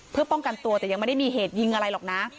เพื่อป้องกันตัวแต่ยังไม่ได้มีเหตุยิงอะไรหรอกนะ